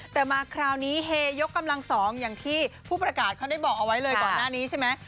แต่มาคราวนี้เฮยกกำลังสองอย่างที่ผู้ประกาศเขาได้บอกเอาไว้เลยก่อนหน้านี้ใช่ไหม